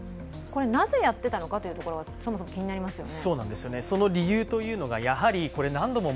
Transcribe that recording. なぜやっていたのかというところが、そもそも気になりますよね。